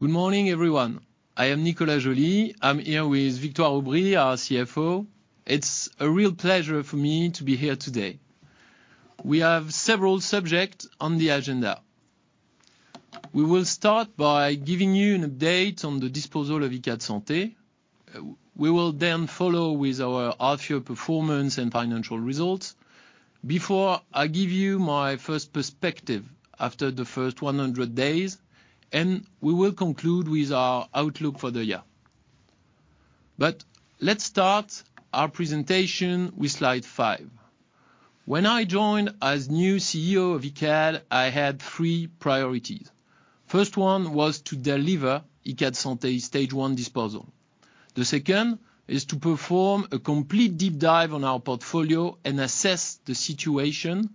Good morning, everyone. I am Nicolas Joly, I'm here with Victoire Aubry, our CFO. It's a real pleasure for me to be here today. We have several subject on the agenda. We will start by giving you an update on the disposal of Icade Santé. We will follow with our half-year performance and financial results, before I give you my first perspective after the first 100 days, we will conclude with our outlook for the year. Let's start our presentation with slide five. When I joined as new CEO of Icade, I had three priorities. First one was to deliver Icade Santé stage one disposal. The second is to perform a complete deep dive on our portfolio and assess the situation.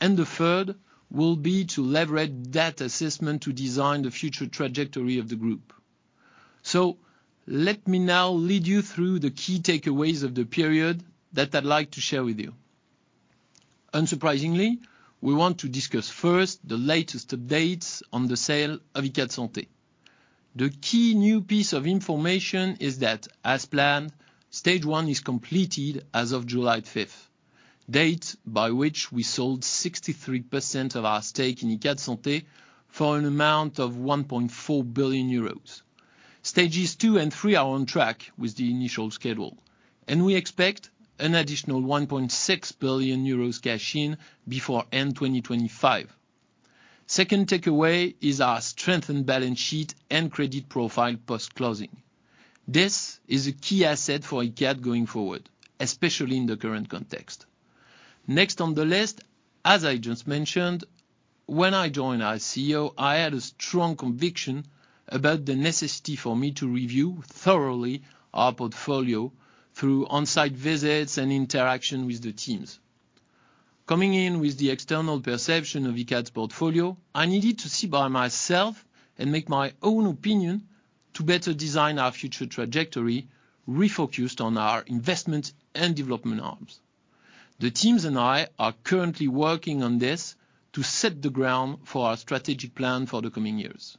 The third will be to leverage that assessment to design the future trajectory of the group. Let me now lead you through the key takeaways of the period that I'd like to share with you. Unsurprisingly, we want to discuss first, the latest updates on the sale of Icade Santé. The key new piece of information is that, as planned, stage one is completed as of July 5th, date by which we sold 63% of our stake in Icade Santé for an amount of 1.4 billion euros. Stages two and three are on track with the initial schedule, and we expect an additional 1.6 billion euros cash-in before end 2025. Second takeaway is our strengthened balance sheet and credit profile post-closing. This is a key asset for Icade going forward, especially in the current context. Next on the list, as I just mentioned, when I joined as CEO, I had a strong conviction about the necessity for me to review thoroughly our portfolio through on-site visits and interaction with the teams. Coming in with the external perception of Icade's portfolio, I needed to see by myself and make my own opinion to better design our future trajectory, refocused on our investment and development arms. The teams and I are currently working on this to set the ground for our strategic plan for the coming years.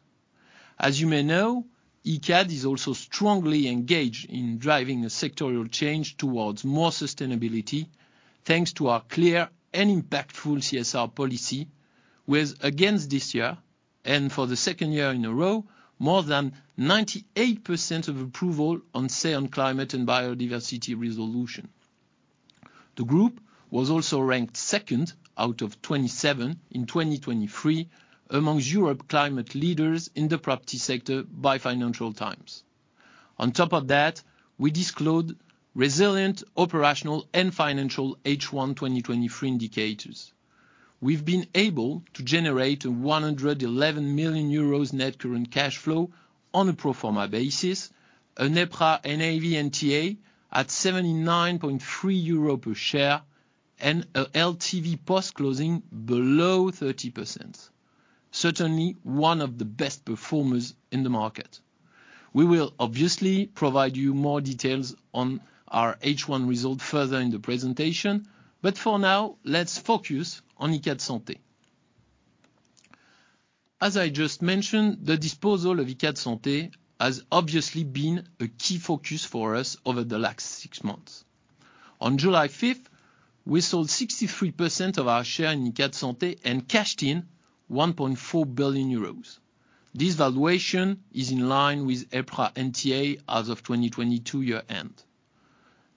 You may know, Icade is also strongly engaged in driving a sectoral change towards more sustainability, thanks to our clear and impactful CSR policy, with, against this year, and for the second year in a row, more than 98% of approval on say, on climate and biodiversity resolution. The group was also ranked second out of 27 in 2023 amongst Europe Climate Leaders in the property sector by Financial Times. On top of that, we disclosed resilient, operational and financial H1, 2023 indicators. We've been able to generate a 111 million euros net current cash flow on a pro forma basis, an EPRA NAV NTA at 79.3 euro per share, and a LTV post-closing below 30%. Certainly, one of the best performers in the market. We will obviously provide you more details on our H1 result further in the presentation, but for now, let's focus on Icade Santé. As I just mentioned, the disposal of Icade Santé has obviously been a key focus for us over the last six months. On July 5th, we sold 63% of our share in Icade Santé and cashed in 1.4 billion euros. This valuation is in line with EPRA NTA as of 2022 year-end.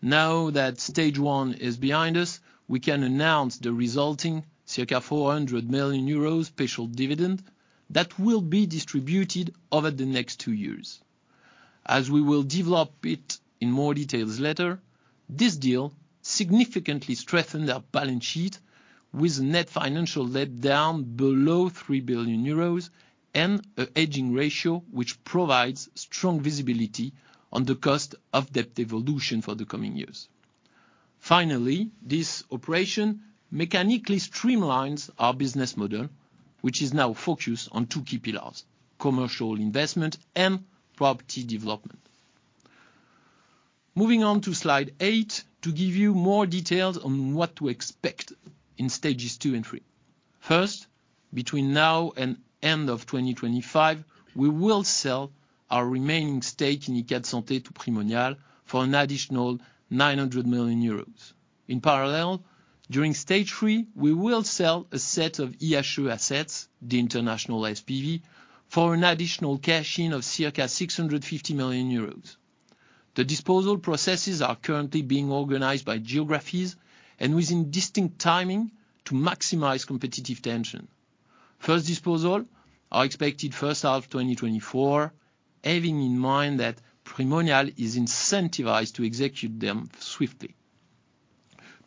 That stage one is behind us, we can announce the resulting circa 400 million euros special dividend that will be distributed over the next two years. As we will develop it in more details later, this deal significantly strengthened our balance sheet with net financial debt down below 3 billion euros and an aging ratio, which provides strong visibility on the cost of debt evolution for the coming years. This operation mechanically streamlines our business model, which is now focused on two key pillars: commercial investment and property development. Moving on to slide eight, to give you more details on what to expect in stages two and three. Between now and end of 2025, we will sell our remaining stake in Icade Santé to Primonial for an additional 900 million euros. During stage three, we will sell a set of IHE assets, the international SPV, for an additional cash-in of circa 650 million euros. The disposal processes are currently being organized by geographies and within distinct timing to maximize competitive tension. First disposal are expected first half of 2024, having in mind that Primonial is incentivized to execute them swiftly.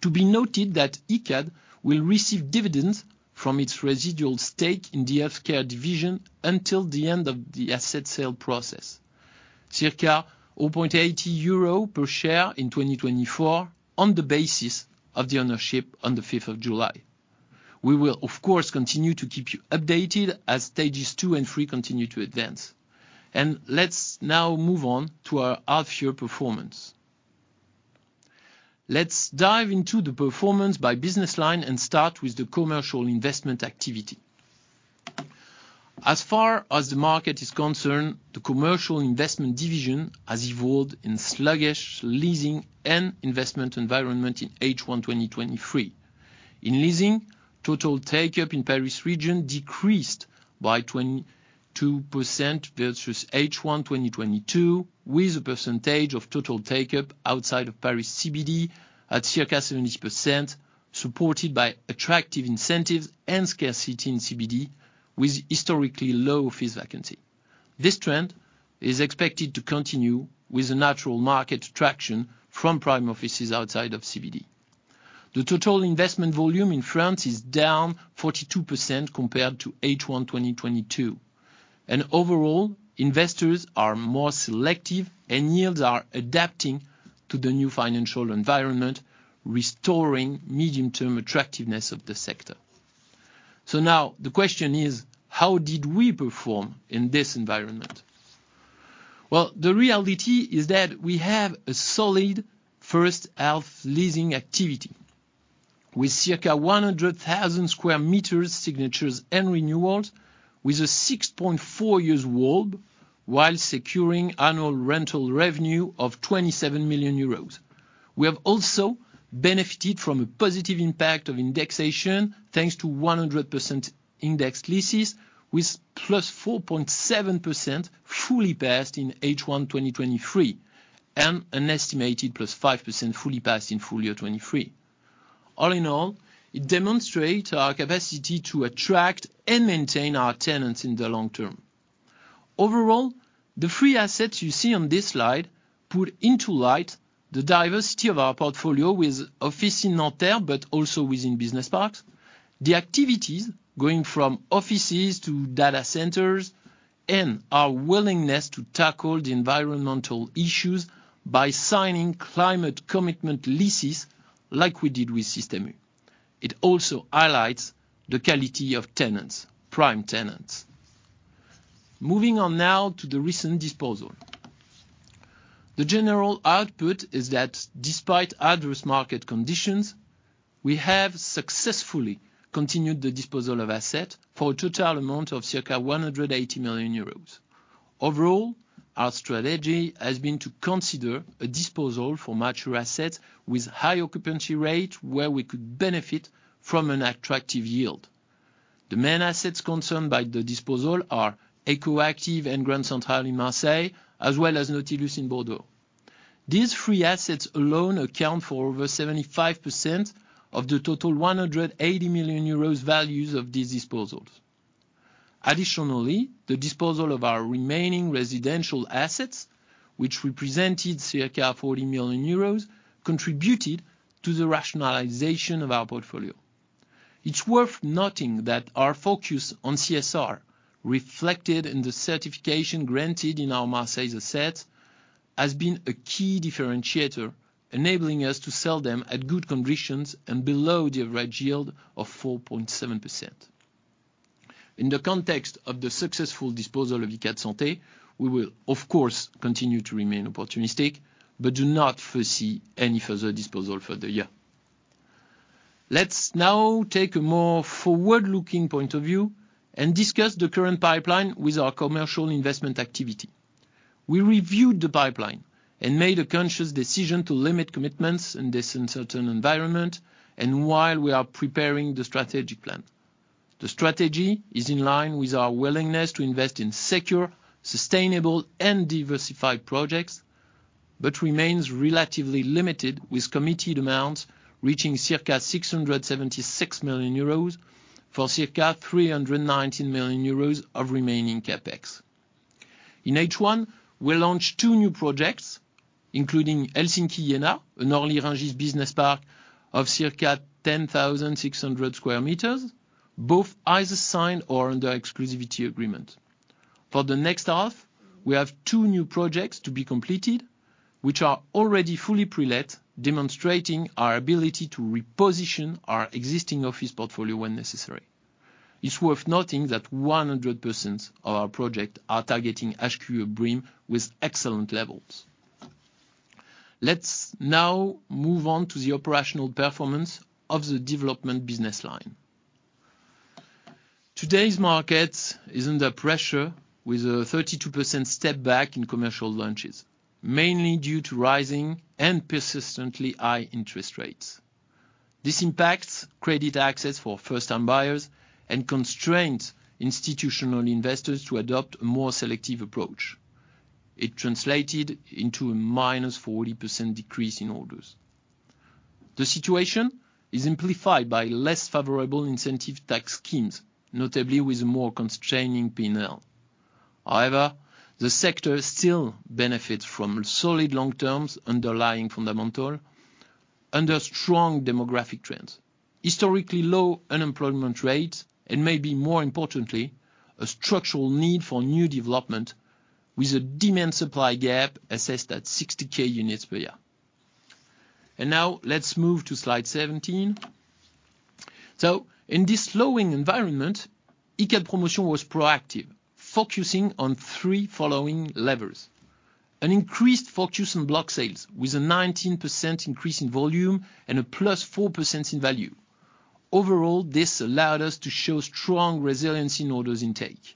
To be noted that Icade will receive dividends from its residual stake in the healthcare division until the end of the asset sale process, circa 0.80 euro per share in 2024 on the basis of the ownership on the 5th of July. We will, of course, continue to keep you updated as Stages 2 and 3 continue to advance. Let's now move on to our half-year performance. Let's dive into the performance by business line and start with the commercial investment activity. As far as the market is concerned, the commercial investment division has evolved in sluggish leasing and investment environment in H1, 2023. In leasing, total take-up in Paris region decreased by 22% versus H1, 2022, with a percentage of total take-up outside of Paris CBD at circa 70%, supported by attractive incentives and scarcity in CBD, with historically low office vacancy. This trend is expected to continue with a natural market traction from prime offices outside of CBD. The total investment volume in France is down 42% compared to H1, 2022. Overall, investors are more selective, and yields are adapting to the new financial environment, restoring medium-term attractiveness of the sector. Now the question is: How did we perform in this environment? Well, the reality is that we have a solid first half leasing activity, with circa 100,000 square meters signatures and renewals, with a 6.4 years WAULT while securing annual rental revenue of 27 million euros. We have also benefited from a positive impact of indexation, thanks to 100% indexed leases, with +4.7% fully passed in H1 2023, and an estimated +5% fully passed in full year 2023. All in all, it demonstrate our capacity to attract and maintain our tenants in the long term. Overall, the three assets you see on this slide put into light the diversity of our portfolio with office in Nanterre, but also within business parks. The activities going from offices to data centers, and our willingness to tackle the environmental issues by signing climate commitment leases, like we did with Système U. It also highlights the quality of tenants, prime tenants. Moving on now to the recent disposal. The general output is that despite adverse market conditions, we have successfully continued the disposal of asset for a total amount of circa 180 million euros. Overall, our strategy has been to consider a disposal for mature assets with high occupancy rate, where we could benefit from an attractive yield. The main assets concerned by the disposal are Eko Active and Grand Central in Marseille, as well as Nautilus in Bordeaux.These three assets alone account for over 75% of the total 180 million euros values of these disposals. The disposal of our remaining residential assets, which represented circa 40 million euros, contributed to the rationalization of our portfolio. It's worth noting that our focus on CSR, reflected in the certification granted in our Marseille asset, has been a key differentiator, enabling us to sell them at good conditions and below the average yield of 4.7%. In the context of the successful disposal of Icade Santé, we will of course, continue to remain opportunistic, but do not foresee any further disposal for the year. Let's now take a more forward-looking point of view and discuss the current pipeline with our commercial investment activity. We reviewed the pipeline and made a conscious decision to limit commitments in this uncertain environment and while we are preparing the strategic plan. The strategy is in line with our willingness to invest in secure, sustainable, and diversified projects, remains relatively limited, with committed amounts reaching circa 676 million euros for circa 319 million euros of remaining CapEx. In H1, we launched two new projects, including Helsinki, Iéna, an Orly-Rungis business park of circa 10,600 sq m, both either signed or under exclusivity agreement. For the next half, we have two new projects to be completed, which are already fully pre-let, demonstrating our ability to reposition our existing office portfolio when necessary. It's worth noting that 100% of our project are targeting HQE of BREEAM with excellent levels. Let's now move on to the operational performance of the development business line. Today's market is under pressure, with a 32% step back in commercial launches, mainly due to rising and persistently high interest rates. This impacts credit access for first-time buyers and constrains institutional investors to adopt a more selective approach. It translated into a -40% decrease in orders. The situation is amplified by less favorable incentive tax schemes, notably with a more constraining P&L. However, the sector still benefits from solid long terms underlying fundamental under strong demographic trends, historically low unemployment rates, and maybe more importantly, a structural need for new development with a demand-supply gap assessed at 60K units per year. Now let's move to slide 17.... In this slowing environment, Icade Promotion was proactive, focusing on three following levers. An increased focus on block sales, with a 19% increase in volume and a +4% in value. Overall, this allowed us to show strong resilience in orders intake.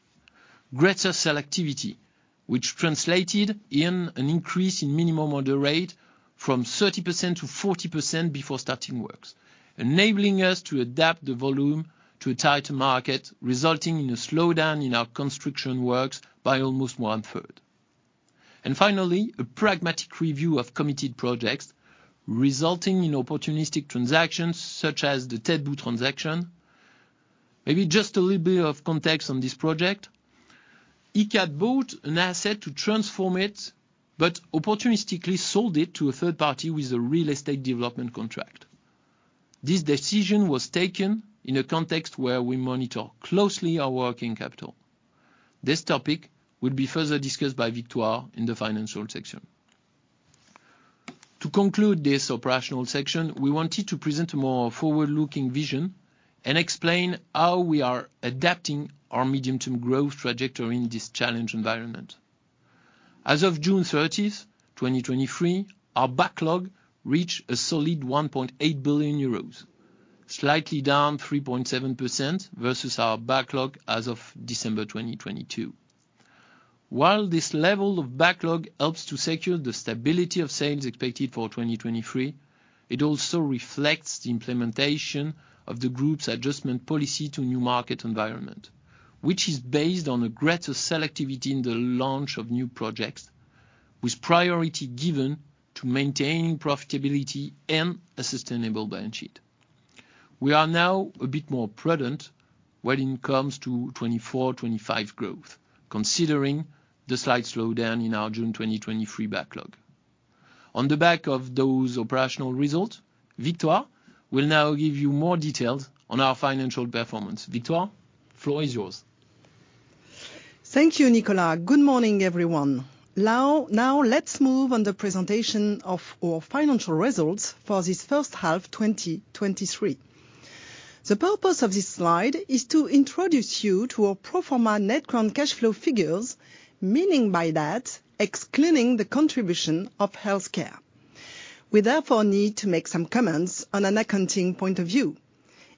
Greater selectivity, which translated in an increase in minimum order rate from 30%-40% before starting works, enabling us to adapt the volume to a tighter market, resulting in a slowdown in our construction works by almost one third. Finally, a pragmatic review of committed projects, resulting in opportunistic transactions, such as the Tête Boule transaction. Maybe just a little bit of context on this project. Icade bought an asset to transform it, but opportunistically sold it to a third party with a real estate development contract. This decision was taken in a context where we monitor closely our working capital. This topic will be further discussed by Victoire in the financial section. To conclude this operational section, we wanted to present a more forward-looking vision and explain how we are adapting our medium-term growth trajectory in this challenged environment. As of June 30th, 2023, our backlog reached a solid 1.8 billion euros, slightly down 3.7% versus our backlog as of December 2022. While this level of backlog helps to secure the stability of sales expected for 2023, it also reflects the implementation of the group's adjustment policy to new market environment, which is based on a greater selectivity in the launch of new projects, with priority given to maintaining profitability and a sustainable balance sheet. We are now a bit more prudent when it comes to 2024/2025 growth, considering the slight slowdown in our June 2023 backlog. On the back of those operational results, Victoire will now give you more details on our financial performance. Victoire, floor is yours. Thank you, Nicolas. Good morning, everyone. Now let's move on the presentation of our financial results for this first half, 2023. The purpose of this slide is to introduce you to our pro forma net current cash flow figures, meaning by that, excluding the contribution of healthcare. We therefore need to make some comments on an accounting point of view.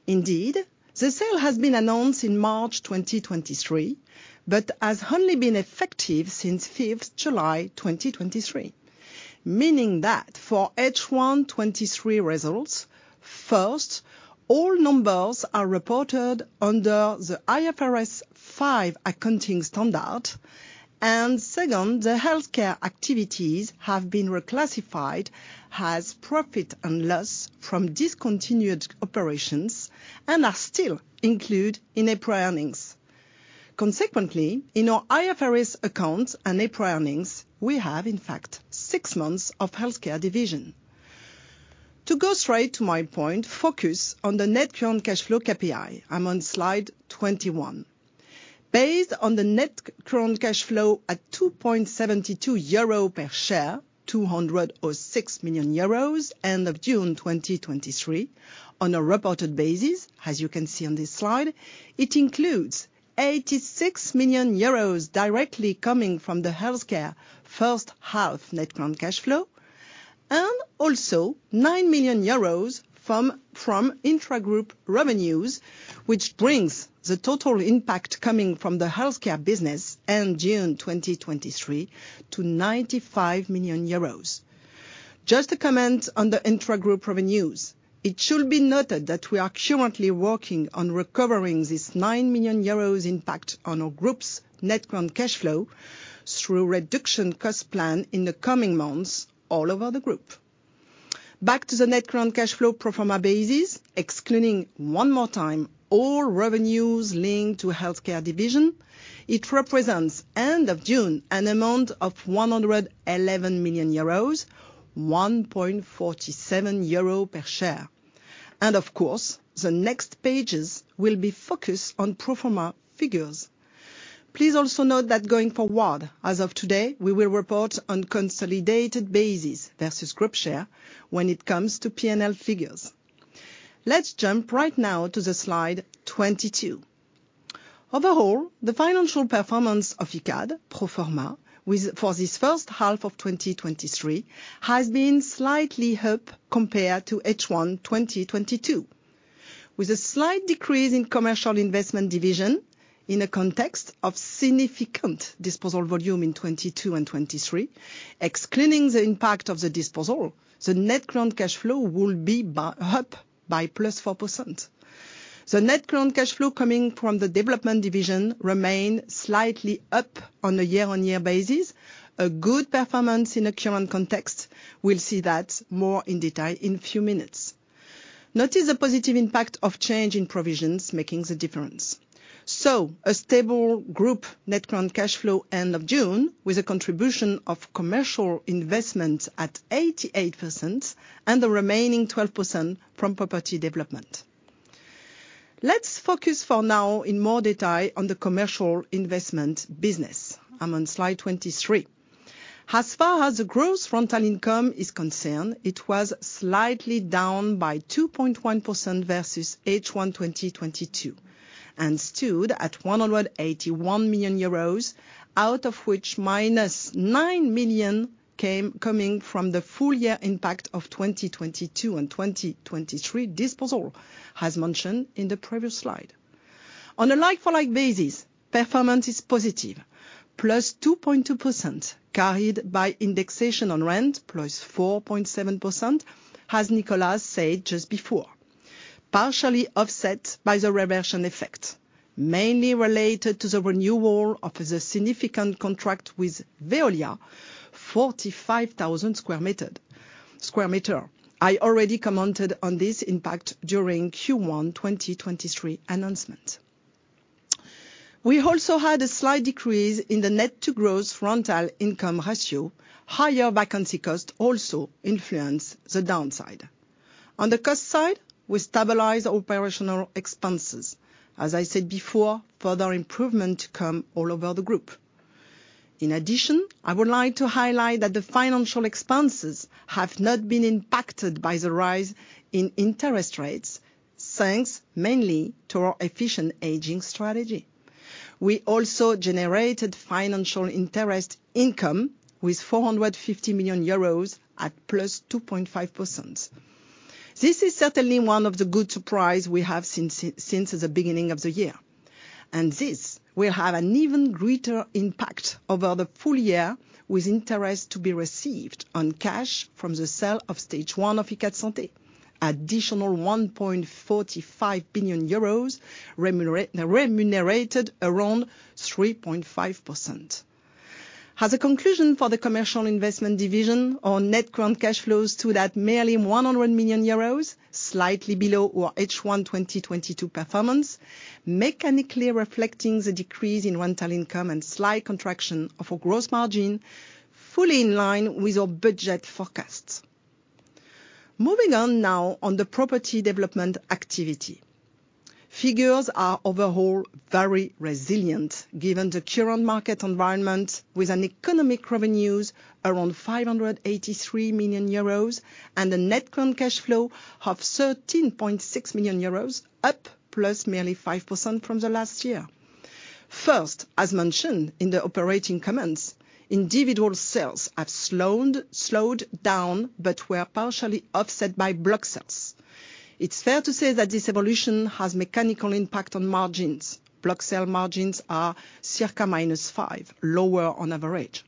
Indeed, the sale has been announced in March 2023, but has only been effective since fifth July, 2023. Meaning that for H1 2023 results, first, all numbers are reported under the IFRS 5 accounting standard, and second, the healthcare activities have been reclassified as profit and loss from discontinued operations and are still included in EPRA earnings. Consequently, in our IFRS accounts and EPRA earnings, we have, in fact, six months of healthcare division. To go straight to my point, focus on the Net Current Cash Flow KPI. I'm on slide 21. Based on the Net Current Cash Flow at 2.72 euro per share, 200 or 6 million, end of June 2023, on a reported basis, as you can see on this slide, it includes 86 million euros directly coming from the healthcare first half Net Current Cash Flow, and also 9 million euros from intra-group revenues, which brings the total impact coming from the healthcare business, end June 2023, to 95 million euros. Just a comment on the intra-group revenues. It should be noted that we are currently working on recovering this 9 million euros impact on our group's Net Current Cash Flow through reduction cost plan in the coming months, all over the group. Back to the net current cash flow pro forma basis, excluding, one more time, all revenues linked to healthcare division, it represents, end of June, an amount of 111 million euros, 1.47 euro per share. Of course, the next pages will be focused on pro forma figures. Please also note that going forward, as of today, we will report on consolidated basis versus group share when it comes to P&L figures. Let's jump right now to the slide 22. Overall, the financial performance of Icade pro forma for this first half of 2023, has been slightly up compared to H1 2022, with a slight decrease in commercial investment division in a context of significant disposal volume in 2022 and 2023. Excluding the impact of the disposal, the net current cash flow will be up by +4%. The net current cash flow coming from the development division remain slightly up on a year-on-year basis, a good performance in the current context. We'll see that more in detail in a few minutes. Notice the positive impact of change in provisions making the difference. A stable group net current cash flow end of June, with a contribution of commercial investment at 88%, and the remaining 12% from property development. Let's focus for now in more detail on the commercial investment business. I'm on slide 23. As far as the gross rental income is concerned, it was slightly down by 2.1% versus H1 2022, and stood at 181 million euros, out of which minus 9 million coming from the full year impact of 2022 and 2023 disposal, as mentioned in the previous slide. On a like-for-like basis, performance is positive, +2.2%, carried by indexation on rent, +4.7%, as Nicolas said just before. Partially offset by the reversion effect, mainly related to the renewal of the significant contract with Veolia, 45,000 square meters. I already commented on this impact during Q1 2023 announcement. We also had a slight decrease in the net rental income margin. Higher vacancy costs also influenced the downside. On the cost side, we stabilize operational expenses. As I said before, further improvement come all over the group. In addition, I would like to highlight that the financial expenses have not been impacted by the rise in interest rates, thanks mainly to our efficient hedging strategy. We also generated financial interest income with 450 million euros at +2.5%. This is certainly one of the good surprise we have since the beginning of the year. This will have an even greater impact over the full year, with interest to be received on cash from the sale of stage one of Icade Santé. Additional 1.45 billion euros remunerated around 3.5%. As a conclusion for the commercial investment division, our net ground cash flows to that merely 100 million euros, slightly below our H1 2022 performance, mechanically reflecting the decrease in rental income and slight contraction of our gross margin, fully in line with our budget forecasts. Moving on now on the property development activity. Figures are overall very resilient, given the current market environment, with an economic revenues around 583 million euros and a net current cash flow of 13.6 million euros, up plus merely 5% from the last year. As mentioned in the operating comments, individual sales have slowed down, but were partially offset by block sales. It's fair to say that this evolution has mechanical impact on margins. Block sale margins are circa -5%, lower on average.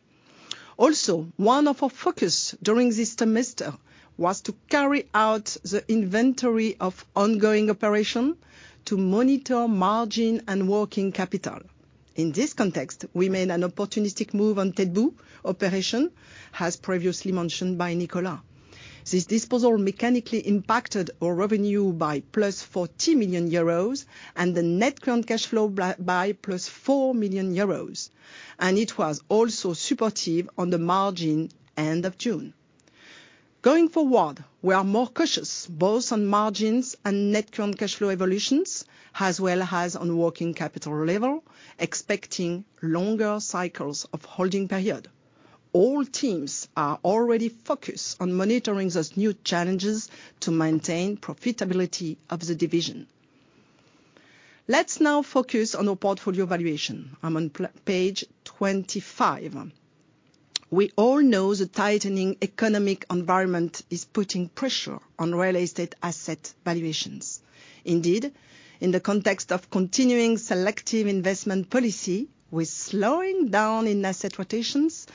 One of our focus during this semester was to carry out the inventory of ongoing operation to monitor margin and working capital. In this context, we made an opportunistic move on Tête Boule operation, as previously mentioned by Nicolas.This disposal mechanically impacted our revenue by + 40 million euros and the net current cash flow by + 4 million euros. It was also supportive on the margin end of June. Going forward, we are more cautious, both on margins and net current cash flow evolutions, as well as on working capital level, expecting longer cycles of holding period. All teams are already focused on monitoring those new challenges to maintain profitability of the division. Let's now focus on our portfolio valuation. I'm on page 25. We all know the tightening economic environment is putting pressure on real estate asset valuations. In the context of continuing selective investment policy, with slowing down in asset rotations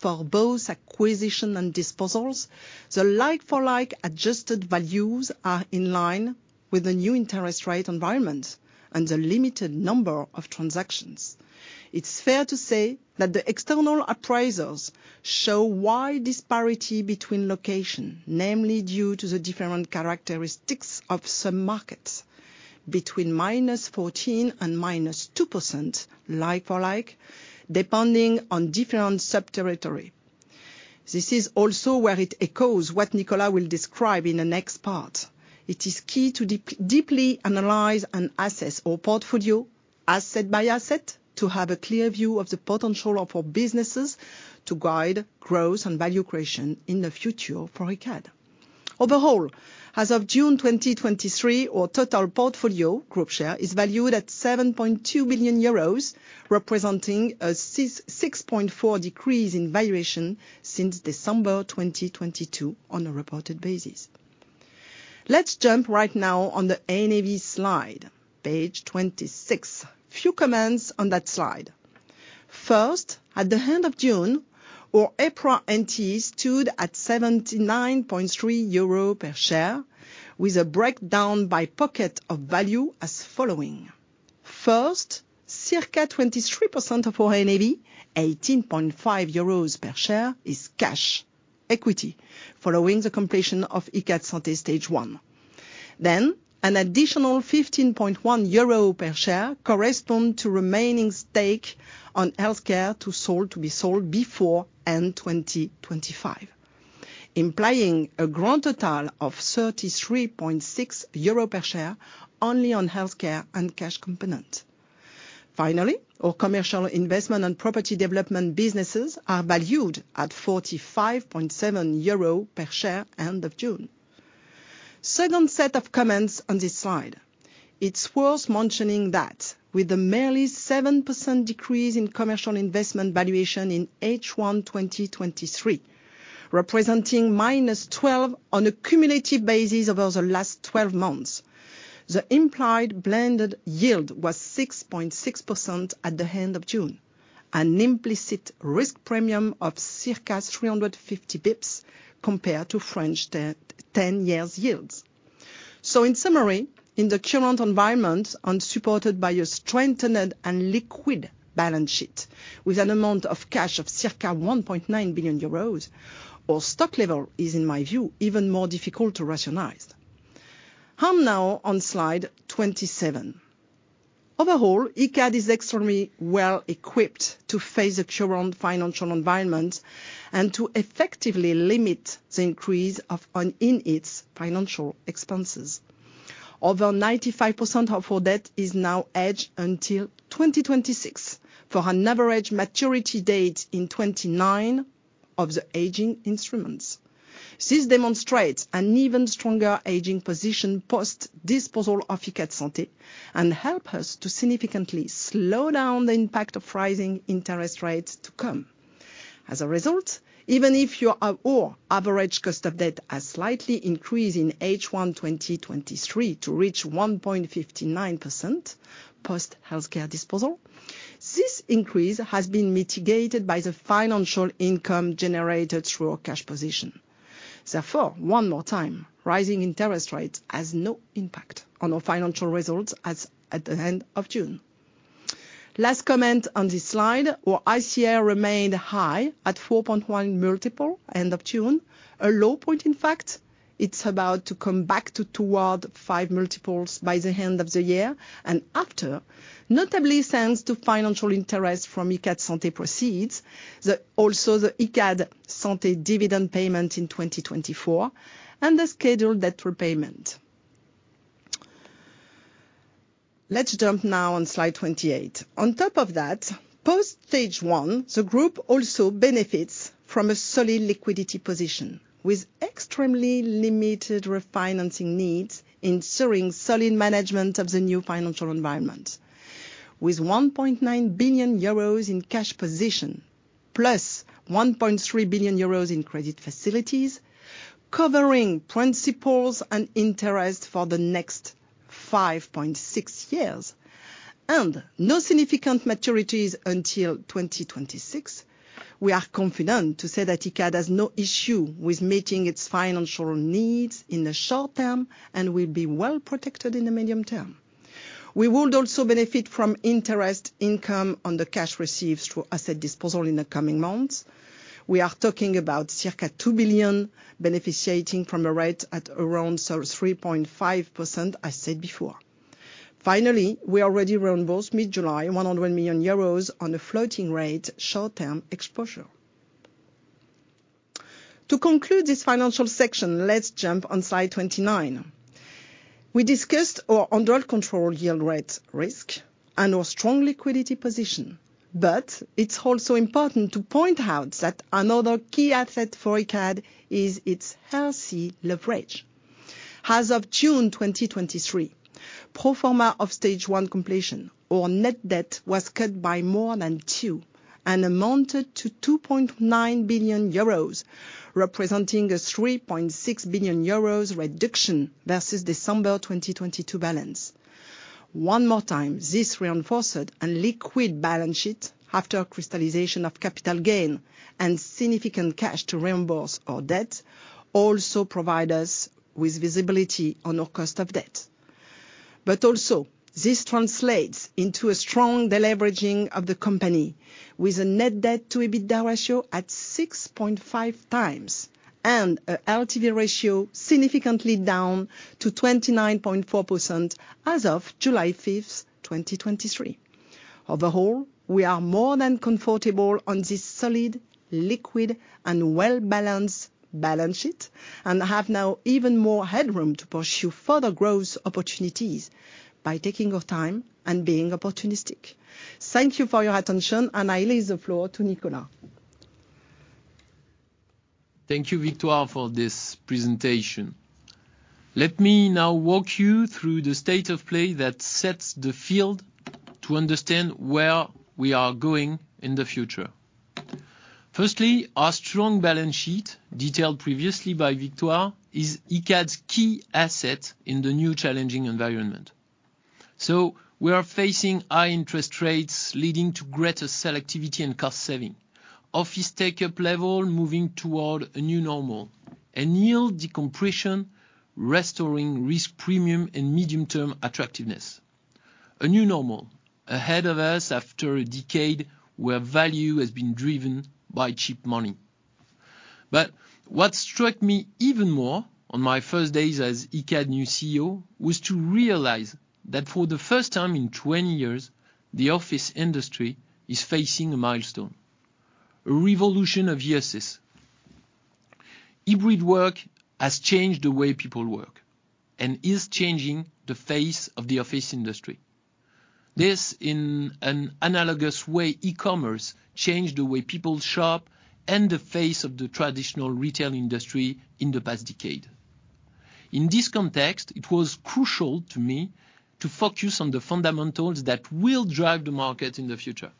for both acquisition and disposals, the like-for-like adjusted values are in line with the new interest rate environment and the limited number of transactions.It's fair to say that the external appraisers show wide disparity between location, namely due to the different characteristics of some markets, between -14% and -2% like-for-like, depending on different sub-territory. This is also where it echoes what Nicolas will describe in the next part. It is key to deeply analyze and assess our portfolio, asset by asset, to have a clear view of the potential of our businesses to guide growth and value creation in the future for Icade. Overall, as of June 2023, our total portfolio group share is valued at 7.2 billion euros, representing a 6.4% decrease in valuation since December 2022 on a reported basis. Let's jump right now on the NAV slide, page 26. Few comments on that slide. At the end of June, our EPRA NT stood at 79.3 euro per share, with a breakdown by pocket of value as following: First, circa 23% of our NAV, 18.5 euros per share, is cash equity following the completion of Icade Santé stage one. An additional 15.1 euro per share correspond to remaining stake on healthcare to sold, to be sold before end 2025, implying a grand total of 33.6 euro per share only on healthcare and cash component. Finally, our commercial investment and property development businesses are valued at 45.7 euro per share, end of June. Second set of comments on this slide.It's worth mentioning that with the merely 7% decrease in commercial investment valuation in H1 2023, representing -12 on a cumulative basis over the last 12 months, the implied blended yield was 6.6% at the end of June, an implicit risk premium of circa 350 basis points compared to French 10 years yields. In summary, in the current environment, unsupported by a strengthened and liquid balance sheet, with an amount of cash of circa 1.9 billion euros, our stock level is, in my view, even more difficult to rationalize. I'm now on slide 27. Overall, Icade is extremely well-equipped to face the current financial environment and to effectively limit the increase in its financial expenses. Over 95% of our debt is now aged until 2026, for an average maturity date in 2029 of the hedging instruments. This demonstrates an even stronger hedging position, post-disposal of Icade Santé, help us to significantly slow down the impact of rising interest rates to come. Result, even if our average cost of debt has slightly increased in H1 2023, to reach 1.59%, post-healthcare disposal, this increase has been mitigated by the financial income generated through our cash position. One more time, rising interest rates has no impact on our financial results as at the end of June. Last comment on this slide, our ICR remained high at 4.1x, end of June.A low point, in fact, it's about to come back to toward 5x by the end of the year. After, notably thanks to financial interest from Icade Santé proceeds, also the Icade Santé dividend payment in 2024, and the scheduled debt repayment. Let's jump now on slide 28. On top of that, post stage one, the group also benefits from a solid liquidity position, with extremely limited refinancing needs, ensuring solid management of the new financial environment. With 1.9 billion euros in cash position, plus 1.3 billion euros in credit facilities, covering principals and interest for the next 5.6 years, and no significant maturities until 2026. We are confident to say that Icade has no issue with meeting its financial needs in the short term, and will be well-protected in the medium term. We will also benefit from interest income on the cash received through asset disposal in the coming months. We are talking about circa 2 billion, benefiting from a rate at around 3.5%, I said before. We already reimbursed mid-July, 100 million euros on a floating rate, short-term exposure. To conclude this financial section, let's jump on slide 29. We discussed our under control yield rate risk and our strong liquidity position, but it's also important to point out that another key asset for Icade is its healthy leverage. As of June 2023, pro forma of stage one completion, our net debt was cut by more than two, and amounted to 2.9 billion euros, representing a 3.6 billion euros reduction versus December 2022 balance. One more time, this reinforced a liquid balance sheet after crystallization of capital gain and significant cash to reimburse our debt, also provide us with visibility on our cost of debt. Also, this translates into a strong deleveraging of the company, with a net debt to EBITDA ratio at 6.5x, and a LTV ratio significantly down to 29.4% as of July 5th, 2023. Overall, we are more than comfortable on this solid, liquid, and well-balanced balance sheet, and have now even more headroom to pursue further growth opportunities by taking our time and being opportunistic. Thank you for your attention, and I leave the floor to Nicolas. Thank you, Victoire, for this presentation. Let me now walk you through the state of play that sets the field to understand where we are going in the future. Firstly, our strong balance sheet, detailed previously by Victoire, is Icade's key asset in the new challenging environment. We are facing high interest rates, leading to greater selectivity and cost saving. Office take-up level moving toward a new normal. A yield decompression, restoring risk premium and medium-term attractiveness. A new normal ahead of us after a decade where value has been driven by cheap money. What struck me even more on my first days as Icade new CEO, was to realize that for the first time in 20 years, the office industry is facing a milestone, a revolution of uses. Hybrid work has changed the way people work and is changing the face of the office industry. This in an analogous way, e-commerce changed the way people shop and the face of the traditional retail industry in the past decade. In this context, it was crucial to me to focus on the fundamentals that will drive the market in the future.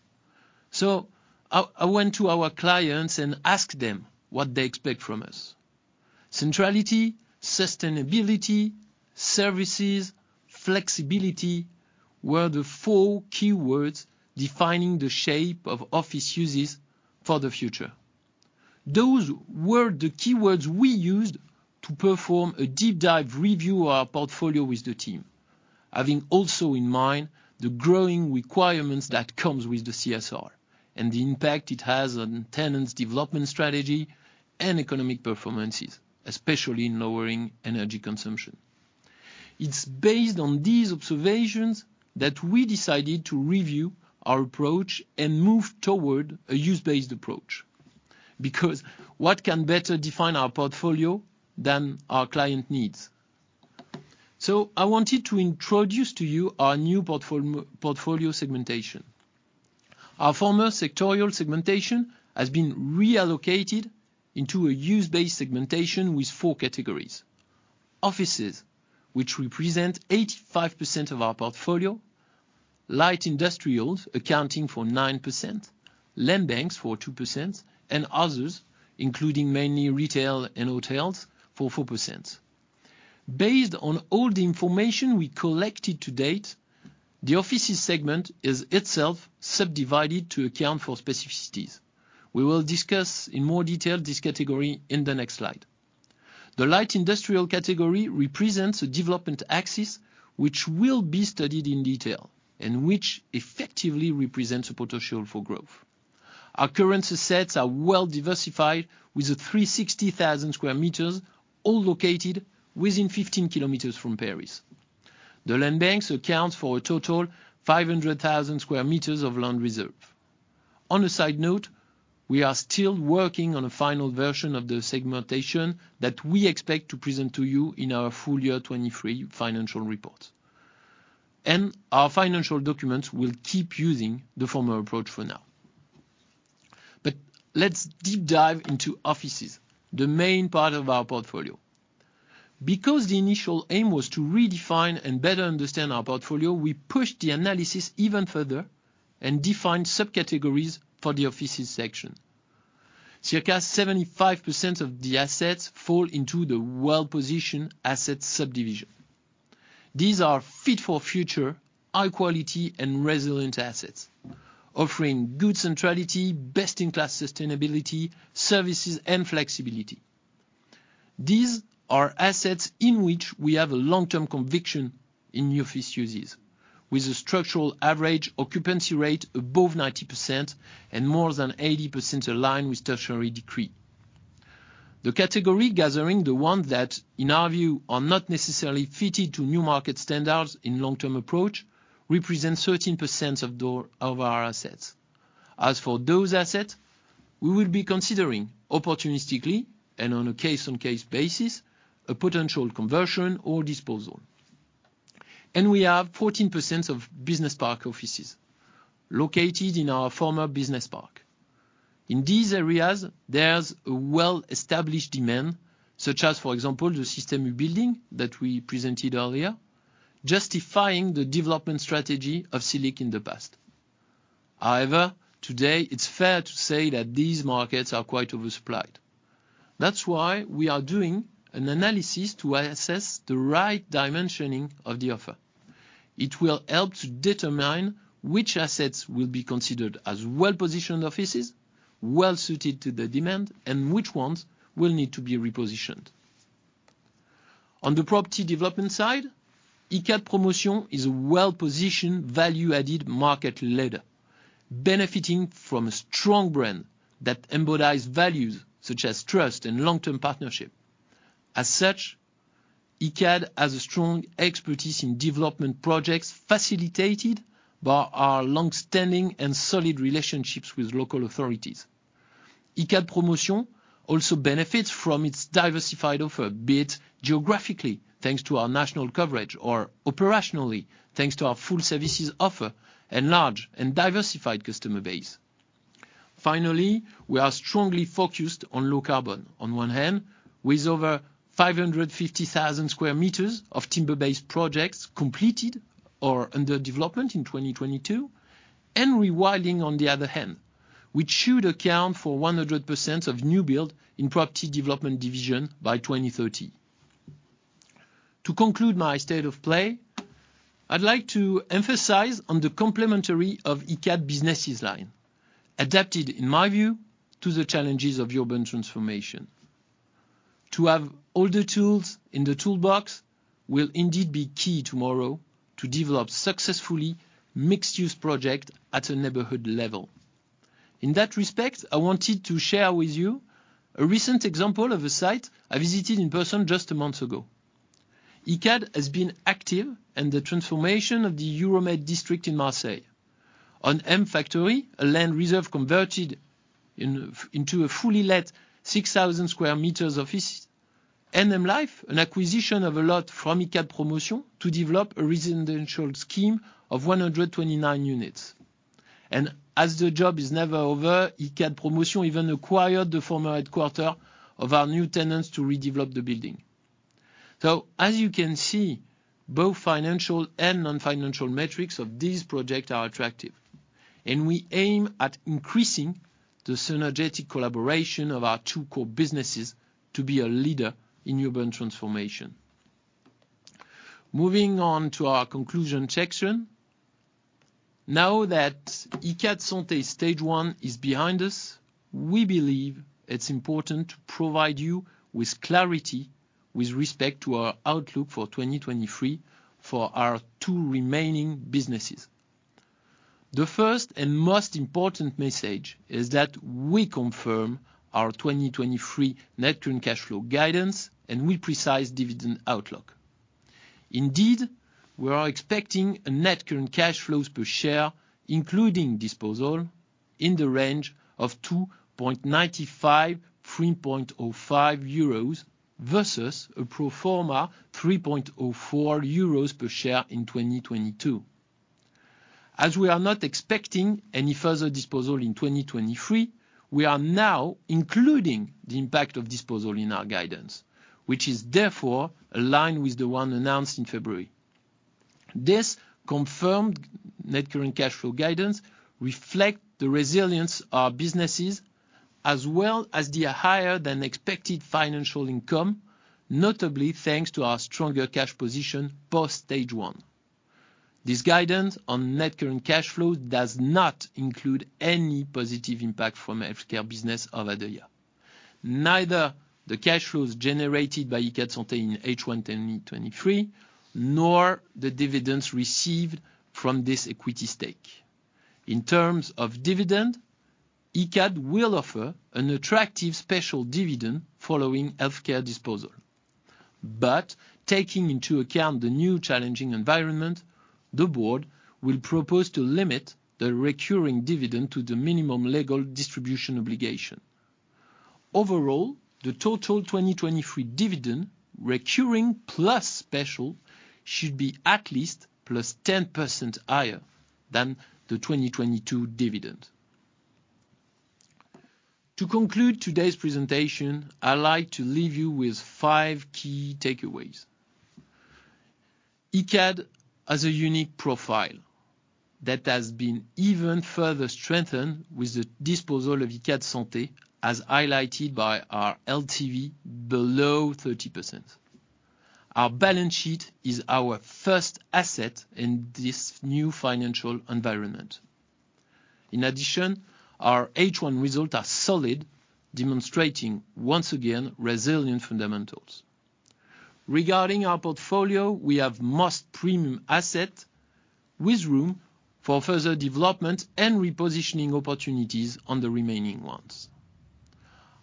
I went to our clients and asked them what they expect from us. Centrality, sustainability, services, flexibility were the four keywords defining the shape of office uses for the future. Those were the keywords we used to perform a deep dive review of our portfolio with the team, having also in mind the growing requirements that comes with the CSR and the impact it has on tenants' development strategy and economic performances, especially in lowering energy consumption.It's based on these observations that we decided to review our approach and move toward a use-based approach, because what can better define our portfolio than our client needs? I wanted to introduce to you our new portfolio segmentation. Our former sectorial segmentation has been reallocated into a use-based segmentation with four categories: offices, which represent 85% of our portfolio; light industrials, accounting for 9%; land banks, for 2%; and others, including mainly retail and hotels, for 4%. Based on all the information we collected to date, the offices segment is itself subdivided to account for specificities. We will discuss in more detail this category in the next slide. The light industrial category represents a development axis, which will be studied in detail, and which effectively represents a potential for growth. Our current assets are well diversified, with a 360,000 sq m, all located within 15 km from Paris. The land banks accounts for a total 500,000 sq m of land reserve. On a side note, we are still working on a final version of the segmentation that we expect to present to you in our full year 2023 financial report. Our financial documents will keep using the former approach for now. Let's deep dive into offices, the main part of our portfolio. Because the initial aim was to redefine and better understand our portfolio, we pushed the analysis even further and defined subcategories for the offices section. Circa 75% of the assets fall into the well-positioned asset subdivision. These are fit for future, high quality and resilient assets, offering good centrality, best-in-class sustainability, services, and flexibility. These are assets in which we have a long-term conviction in the office uses, with a structural average occupancy rate above 90% and more than 80% aligned with Décret Tertiaire. The category gathering, the one that, in our view, are not necessarily fitted to new market standards in long-term approach, represents 13% of our assets. For those assets, we will be considering opportunistically, and on a case-on-case basis, a potential conversion or disposal. We have 14% of business park offices located in our former business park. In these areas, there's a well-established demand, such as, for example, the Système U building that we presented earlier, justifying the development strategy of Silic in the past. However, today, it's fair to say that these markets are quite oversupplied. That's why we are doing an analysis to assess the right dimensioning of the offer. It will help to determine which assets will be considered as well-positioned offices, well suited to the demand, and which ones will need to be repositioned. On the property development side, Icade Promotion is a well-positioned, value-added market leader, benefiting from a strong brand that embodies values such as trust and long-term partnership. As such, Icade has a strong expertise in development projects, facilitated by our long-standing and solid relationships with local authorities. Icade Promotion also benefits from its diversified offer, be it geographically, thanks to our national coverage, or operationally, thanks to our full services offer and large and diversified customer base. Finally, we are strongly focused on low carbon. On one hand, with over 550,000 sq m of timber-based projects completed or under development in 2022, and rewilding on the other hand, which should account for 100% of new build in property development division by 2030. To conclude my state of play, I'd like to emphasize on the complementary of Icade businesses line, adapted, in my view, to the challenges of urban transformation. To have all the tools in the toolbox will indeed be key tomorrow to develop successfully mixed-use project at a neighborhood level. In that respect, I wanted to share with you a recent example of a site I visited in person just one month ago. Icade has been active in the transformation of the Euromed district in Marseille. On M FACTORY, a land reserve converted into a fully let 6,000 sq m office, NM Life, an acquisition of a lot from Icade Promotion to develop a residential scheme of 129 units. As the job is never over, Icade Promotion even acquired the former headquarter of our new tenants to redevelop the building. As you can see, both financial and non-financial metrics of this project are attractive, and we aim at increasing the synergetic collaboration of our two core businesses to be a leader in urban transformation. Moving on to our conclusion section. Now that Icade Santé stage one is behind us, we believe it's important to provide you with clarity with respect to our outlook for 2023 for our two remaining businesses. The first and most important message is that we confirm our 2023 net current cash flow guidance, and we precise dividend outlook. Indeed, we are expecting a net current cash flows per share, including disposal, in the range of 2.95-3.05 euros, versus a pro forma 3.04 euros per share in 2022. As we are not expecting any further disposal in 2023, we are now including the impact of disposal in our guidance, which is therefore aligned with the one announced in February. This confirmed net current cash flow guidance reflect the resilience of our businesses, as well as the higher than expected financial income, notably thanks to our stronger cash position, post stage one. This guidance on net current cash flow does not include any positive impact from healthcare business of Icade. Neither the cash flows generated by Icade Santé in H1 2023, nor the dividends received from this equity stake. In terms of dividend, Icade will offer an attractive special dividend following healthcare disposal. Taking into account the new challenging environment, the board will propose to limit the recurring dividend to the minimum legal distribution obligation. Overall, the total 2023 dividend, recurring plus special, should be at least +10% higher than the 2022 dividend. To conclude today's presentation, I'd like to leave you with five key takeaways. Icade has a unique profile that has been even further strengthened with the disposal of Icade Santé, as highlighted by our LTV below 30%. In addition, our H1 results are solid, demonstrating once again, resilient fundamentals. Regarding our portfolio, we have most premium asset with room for further development and repositioning opportunities on the remaining ones.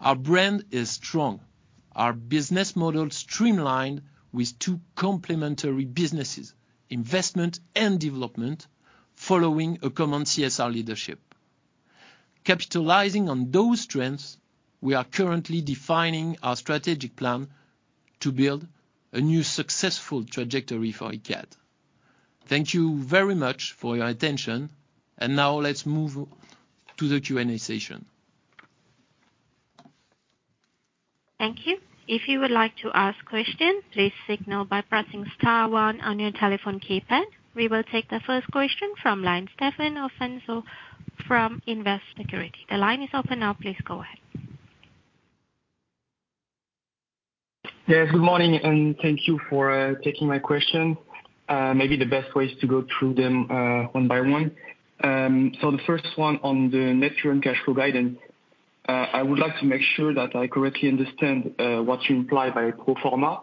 Our brand is strong, our business model streamlined with two complementary businesses, investment and development, following a common CSR leadership. Capitalizing on those strengths, we are currently defining our strategic plan to build a new successful trajectory for Icade. Now let's move to the Q&A session. Thank you. If you would like to ask questions, please signal by pressing star one on your telephone keypad. We will take the first question from line, Stéphane Afonso from Invest Securities. The line is open now. Please go ahead. Yes, good morning, thank you for taking my question. Maybe the best way is to go through them one by one. The first one on the net current cash flow guidance. I would like to make sure that I correctly understand what you imply by pro forma.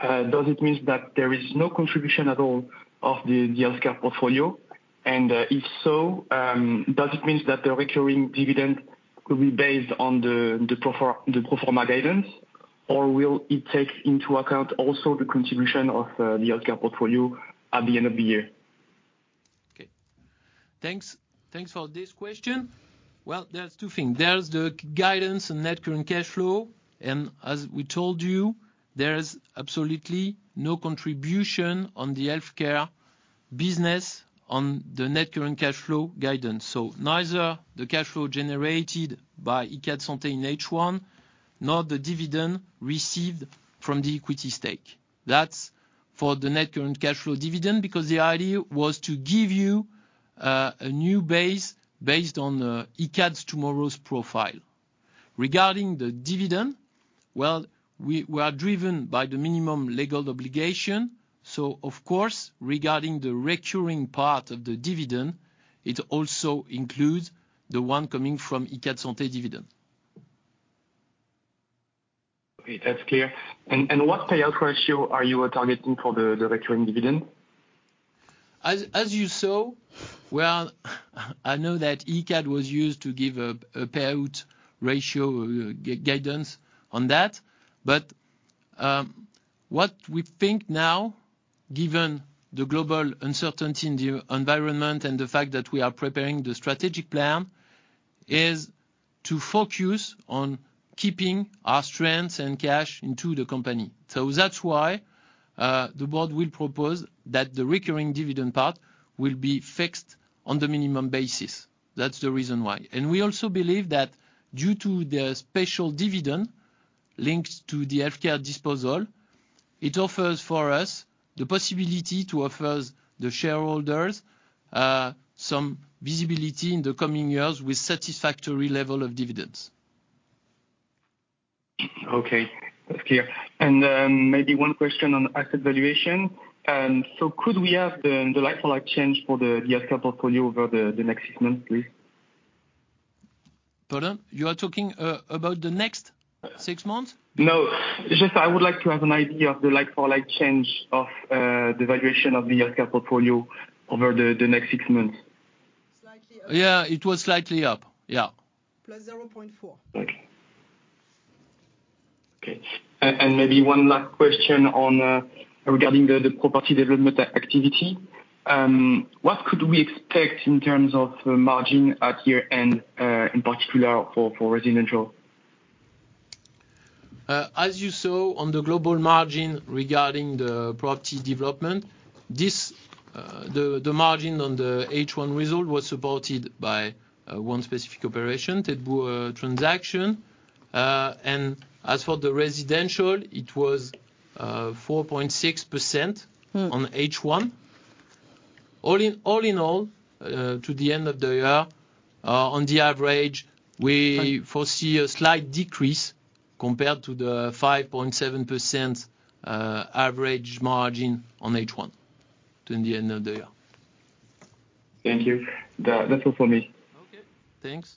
Does it mean that there is no contribution at all of the healthcare portfolio? If so, does it mean that the recurring dividend will be based on the pro forma guidance, or will it take into account also the contribution of the healthcare portfolio at the end of the year? Okay. Thanks for this question. There's two things. There's the guidance and net current cash flow, as we told you, there is absolutely no contribution on the healthcare business on the net current cash flow guidance. Neither the cash flow generated by Icade Santé in H1, nor the dividend received from the equity stake. That's for the net current cash flow dividend, because the idea was to give you a new base based on Icade's tomorrow's profile. Regarding the dividend, we are driven by the minimum legal obligation, of course, regarding the recurring part of the dividend, it also includes the one coming from Icade Santé dividend. Okay, that's clear. What payout ratio are you targeting for the recurring dividend? As you saw, well, I know that Icade was used to give a payout ratio guidance on that. What we think now, given the global uncertainty in the environment and the fact that we are preparing the strategic plan, is to focus on keeping our strengths and cash into the company. That's why the board will propose that the recurring dividend part will be fixed on the minimum basis. That's the reason why. We also believe that due to the special dividend links to the healthcare disposal, it offers for us the possibility to offer the shareholders some visibility in the coming years with satisfactory level of dividends. Okay, that's clear. Maybe one question on asset valuation. Could we have the like-for-like change for the healthcare portfolio over the next six months, please? Pardon? You are talking about the next six months? No, just I would like to have an idea of the like-for-like change of the valuation of the healthcare portfolio over the next six months. Slightly up. Yeah, it was slightly up. Yeah. +0.4. Okay. Okay, maybe one last question on, regarding the property development activity. What could we expect in terms of, margin at year-end, in particular for residential? As you saw on the global margin regarding the property development, this, the margin on the H1 result was supported by one specific operation, Tête Boule transaction. As for the residential, it was 4.6%. Mm. on H1. All in all, to the end of the year, on the average. Right Foresee a slight decrease compared to the 5.7% average margin on H1, to the end of the year. Thank you. That's all for me. Okay, thanks.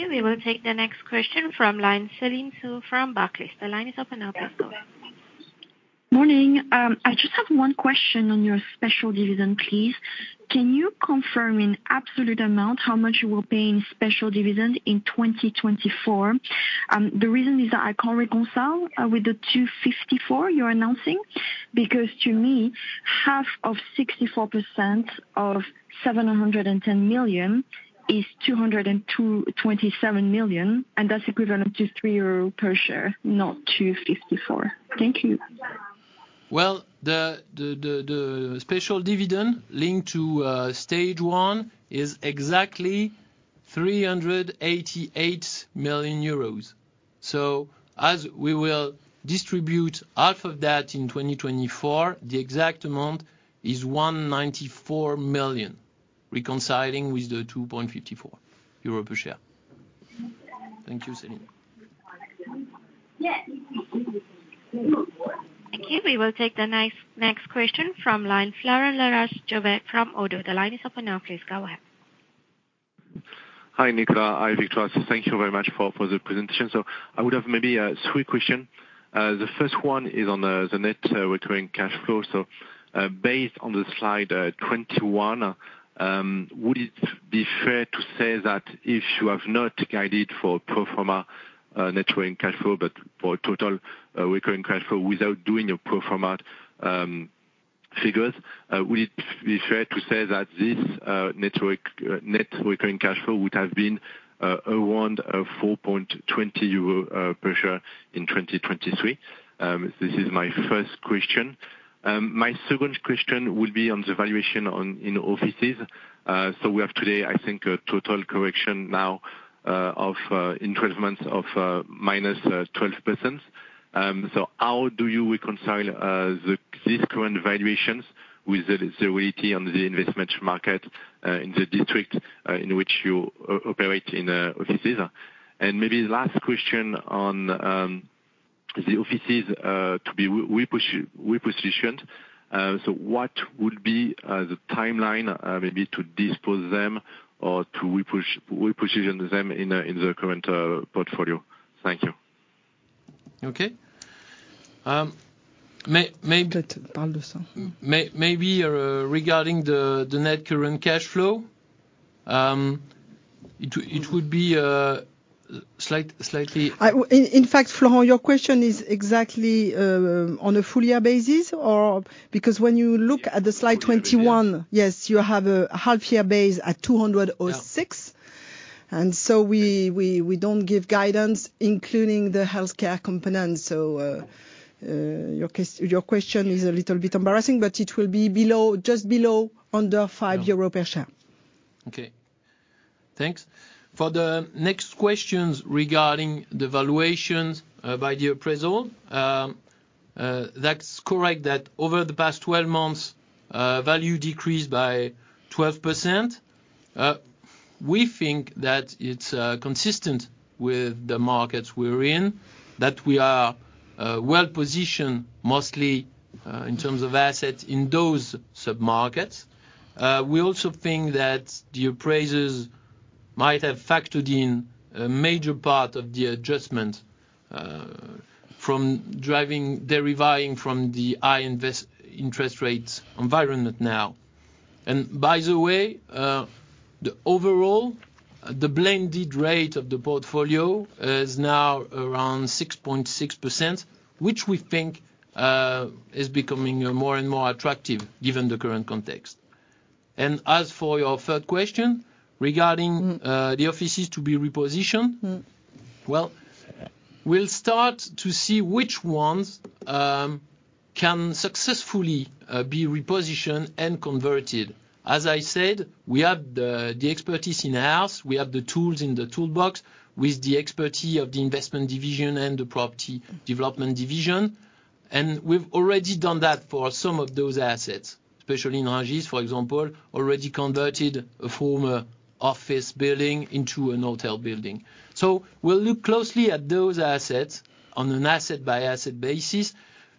Okay, we will take the next question from line, Céline Huynh from Barclays. The line is open now. Yes, go. Morning, I just have one question on your special dividend, please. Can you confirm in absolute amount how much you will pay in special dividend in 2024? The reason is that I can't reconcile with the 2.54 you're announcing, to me, half of 64% of 710 million is 227 million, that's equivalent to 3 euro per share, not 2.54. Thank you. Well, the special dividend linked to stage one is exactly 388 million euros. As we will distribute half of that in 2024, the exact amount is 194 million, reconciling with the 2.54 euro per share. Thank you, Celine. Thank you. We will take the next question from line, Florent Laroche-Joubert from ODDO. The line is open now, please go ahead. Hi, Nicolas. Hi, Victoire. Thank you very much for the presentation. I would have maybe three question. The first one is on the net recurring cash flow. Based on the slide 21, would it be fair to say that if you have not guided for pro forma net working cash flow, but for total recurring cash flow without doing a pro forma figures, would it be fair to say that this net recurring cash flow would have been around 4.20 euro per share in 2023? This is my first question. My second question would be on the valuation in offices. We have today, I think, a total correction now of in 12 months of minus 12%.How do you reconcile these current valuations with the way on the investment market in the district in which you operate in offices? Maybe last question on the offices to be repositioned. What would be the timeline maybe to dispose them or to reposition them in the current portfolio? Thank you. Okay. Maybe....Maybe, regarding the net current cash flow, it would be, slightly. In fact, Florent, your question is exactly on a full year basis, or...? When you look at the slide 21.Yes, Yes, you have a half year base at 206. Yeah. We don't give guidance, including the healthcare component. Your question is a little bit embarrassing, but it will be below, just below, under 5 euro per share. Yeah. Okay. Thanks. For the next questions regarding the valuations, by the appraisal. That's correct that over the past 12 months, value decreased by 12%. We think that it's consistent with the markets we're in, that we are well-positioned, mostly, in terms of assets in those sub-markets. We also think that the appraisers might have factored in a major part of the adjustment, deriving from the high interest rates environment now. By the way, the overall, the blended rate of the portfolio is now around 6.6%, which we think is becoming more and more attractive given the current context. As for your third question, regarding the offices to be repositioned. Mm. Well, we'll start to see which ones can successfully be repositioned and converted. As I said, we have the expertise in-house, we have the tools in the toolbox with the expertise of the investment division and the property development division. We've already done that for some of those assets, especially in Rungis, for example, already converted a former office building into a hotel building. We'll look closely at those assets on an asset-by-asset basis,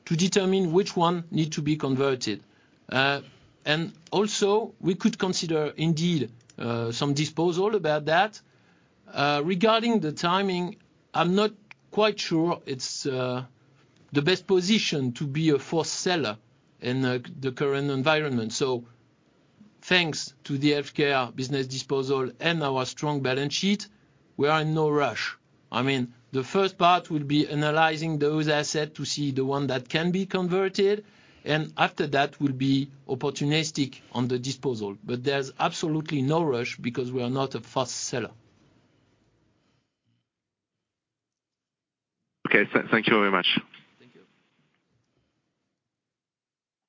to determine which one need to be converted. Also we could consider, indeed, some disposal about that. Regarding the timing, I'm not quite sure it's the best position to be a forced seller in the current environment. Thanks to the healthcare business disposal and our strong balance sheet, we are in no rush.I mean, the first part will be analyzing those assets to see the one that can be converted, and after that, we'll be opportunistic on the disposal. There's absolutely no rush because we are not a fast seller. Okay. Thank you very much.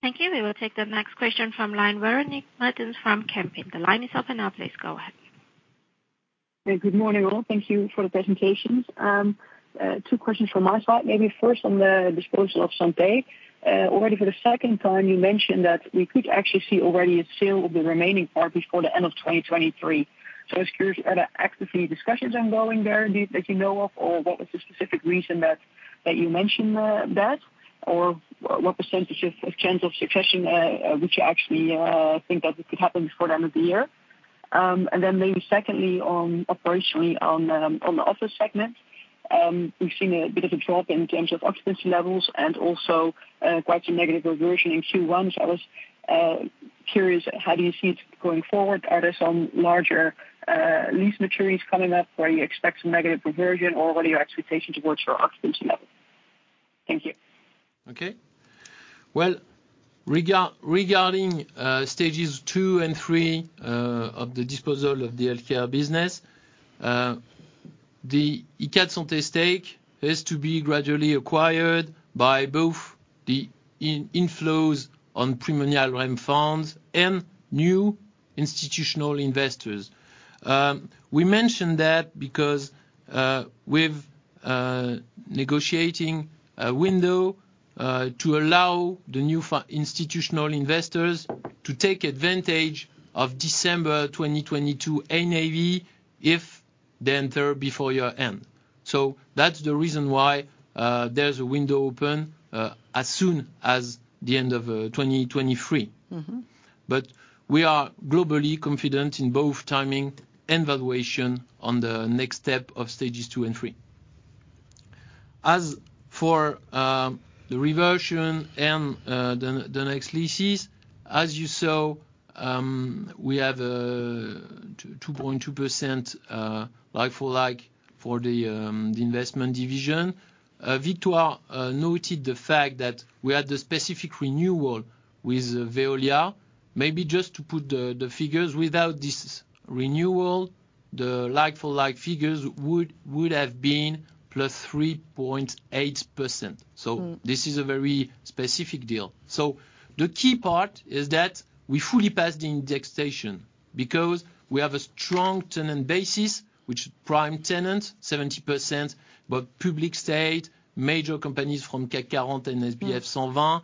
Thank you. Thank you. We will take the next question from line, Véronique Meertens from Kempen. The line is open now, please go ahead. Hey, good morning, all. Thank you for the presentations. Two questions from my side. Maybe first on the disposal of Santé. Already for the second time, you mentioned that we could actually see already a sale of the remaining part before the end of 2023. I was curious, are there actively discussions ongoing there, indeed, that you know of? Or what was the specific reason that you mentioned that? Or what percentage of chance of succession would you actually think that this could happen before the end of the year? Maybe secondly, on operationally on the office segment, we've seen a bit of a drop in terms of occupancy levels and also quite a negative reversion in Q1. I was curious, how do you see it going forward? Are there some larger, lease maturities coming up where you expect some negative reversion? What are your expectations towards your occupancy level? Thank you. Well, regarding Stages 2 and 3 of the disposal of the healthcare business, the Icade Santé stake is to be gradually acquired by both the inflows on Primonial REIM funds and new institutional investors. We mentioned that because, with negotiating a window to allow the new institutional investors to take advantage of December 2022 NAV, if they enter before year end. That's the reason why there's a window open as soon as the end of 2023. Mm-hmm. We are globally confident in both timing and valuation on the next step of Stages 2 and 3. As for the reversion and the next leases, as you saw, we have 2.2% like-for-like for the investment division. Victoire noted the fact that we had the specific renewal with Veolia. Maybe just to put the figures, without this renewal, the like-for-like figures would have been +3.8%. Mm. This is a very specific deal. The key part is that we fully passed the indexation, because we have a strong tenant basis, which prime tenants, 70%, but public state, major companies from CAC 40 and SBF 120. Mm.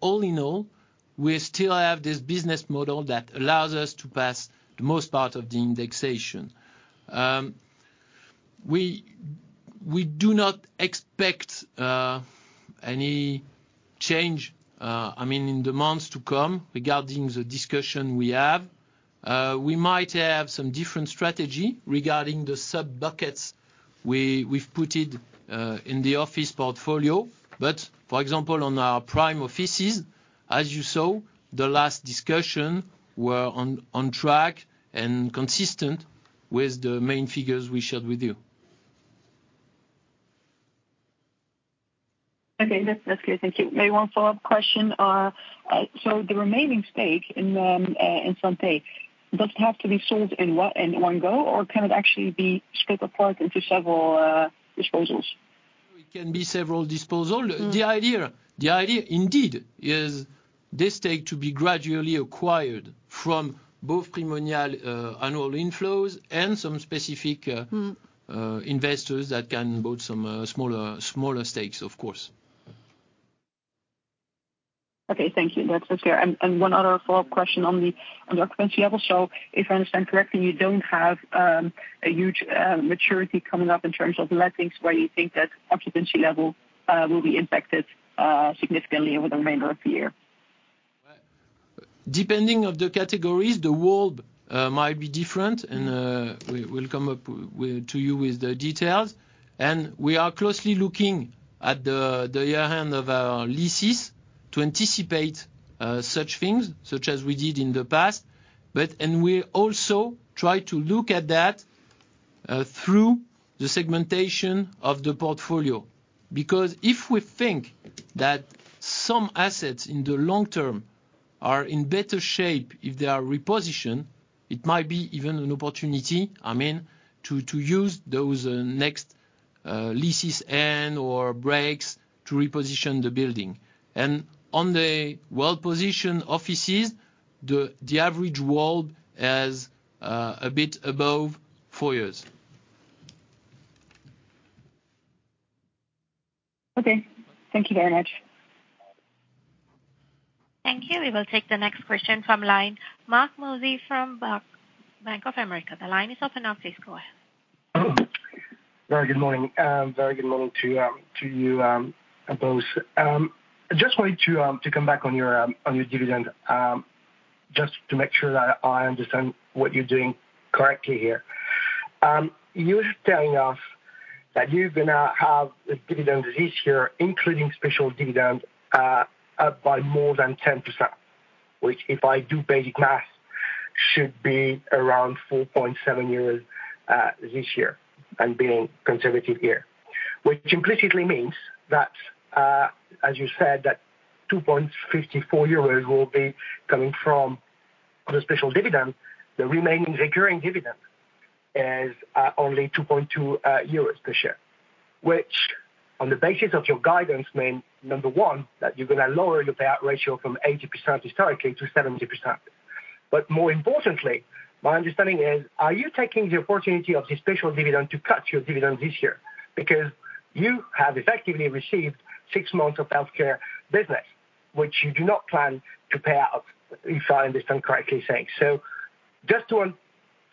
All in all, we still have this business model that allows us to pass the most part of the indexation. We do not expect, I mean, in the months to come regarding the discussion we have. We might have some different strategy regarding the sub-buckets we've put it in the office portfolio. For example, on our prime offices, as you saw, the last discussion were on track and consistent with the main figures we shared with you. Okay, that's clear. Thank you. Maybe one follow-up question. The remaining stake in Santé, does it have to be sold in one go, or can it actually be split apart into several disposals? It can be several disposal. Mm. The idea indeed, is this stake to be gradually acquired from both Primonial annual inflows and some specific. Mm investors that can build some, smaller stakes, of course. Okay, thank you. That's clear. One other follow-up question on the occupancy level. If I understand correctly, you don't have a huge maturity coming up in terms of lettings, where you think that occupancy level will be impacted significantly over the remainder of the year? Depending of the categories, the WAULT might be different. We will come up with, to you with the details. We are closely looking at the year end of our leases to anticipate such things, such as we did in the past. We also try to look at that, through the segmentation of the portfolio, because if we think that some assets in the long term are in better shape, if they are repositioned, it might be even an opportunity, I mean, to use those next leases end or breaks to reposition the building. On the well-positioned offices, the average WAULT is a bit above four years. Okay, thank you very much. Thank you. We will take the next question from line, Marc Mozzi from Bank of America. The line is open now. Please go ahead. Very good morning. Very good morning to you both. I just wanted to come back on your dividend, just to make sure that I understand what you're doing correctly here. You're telling us that you're gonna have a dividend this year, including special dividend, up by more than 10%, which, if I do basic math, should be around 4.7 euros this year, I'm being conservative here. Which implicitly means that, as you said, that 2.54 euros will be coming from on a special dividend. The remaining recurring dividend is only 2.2 euros per share, which on the basis of your guidance, means, number one, that you're gonna lower your payout ratio from 80% historically to 70%.More importantly, my understanding is, are you taking the opportunity of this special dividend to cut your dividend this year? Because you have effectively received six months of healthcare business, which you do not plan to pay out, if I understand correctly, saying. Just to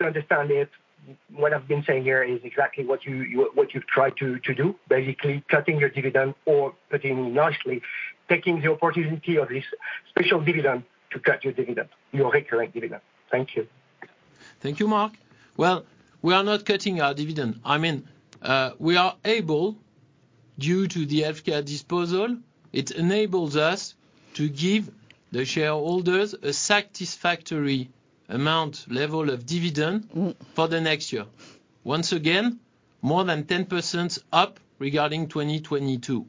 understand it, what I've been saying here is exactly what you've tried to do, basically cutting your dividend or putting nicely, taking the opportunity of this special dividend to cut your dividend, your recurring dividend. Thank you. Thank you, Marc. Well, we are not cutting our dividend. I mean, we are able, due to the healthcare disposal, it enables us to give the shareholders a satisfactory amount, level of dividend for the next year. Once again, more than 10% up regarding 2022.